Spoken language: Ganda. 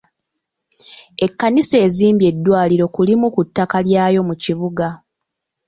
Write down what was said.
Ekkanisa eziimbye eddwaliro ku limu ku ttaka lyayo mu kibuga.